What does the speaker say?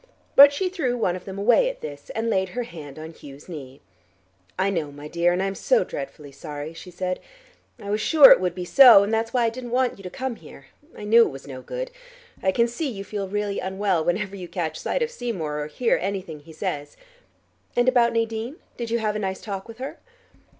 But she threw one of them away at this, and laid her hand on Hugh's knee. "I know, my dear, and I am so dreadfully sorry," she said. "I was sure it would be so, and that's why I didn't want you to come here. I knew it was no good. I can see you feel really unwell whenever you catch sight of Seymour or hear anything he says. And about Nadine? Did you have a nice talk with her?"